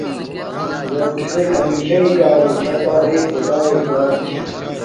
اگَر کݵسݵک ہمݵشݳئی کݳرݸ چھݳ تݳ ہݵئ خدݳیݺ ذݳت چھݳ.